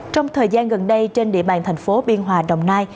trong thời gian gần đây trên địa bàn thành phố biên hòa đồng nai